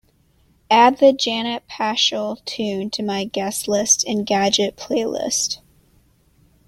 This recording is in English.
Add the Janet Paschal tune to my guest list engadget playlist.